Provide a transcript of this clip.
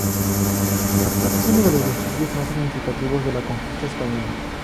Es uno de los vestigios más significativos de la conquista española.